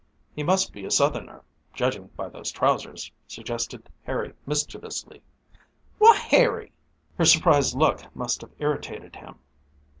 "He must be Southerner, judging by those trousers," suggested Harry mischievously. "Why, Harry!" Her surprised look must have irritated him.